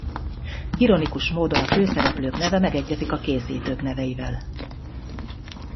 Ironikus módon a főszereplők neve megegyezik a készítők neveivel.